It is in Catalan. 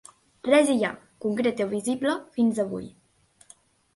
Res hi ha, concret o visible, fins avui.